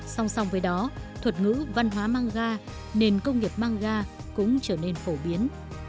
song song với đó thuật ngữ văn hóa manga nền công nghiệp manga cũng trở nên phổ biến